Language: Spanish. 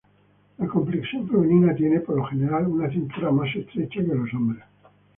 Las complexión femenina tiene, por lo general, una cintura más estrecha que los hombres.